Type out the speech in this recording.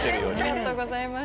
ありがとうございます。